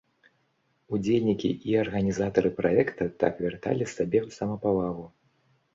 Удзельнікі і арганізатары праекта так вярталі сабе самапавагу.